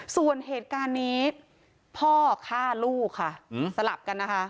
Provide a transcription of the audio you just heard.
ส่วนเหตุการณ์นี้พ่อฆ่าลูกค่ะสลับกันนะคะ